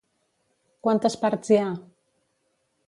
Quantes parts hi ha?